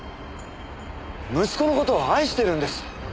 息子の事を愛してるんです。